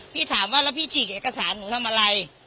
พี่ถามว่าแล้วพี่ฉีกเอกสารหนูทำอะไร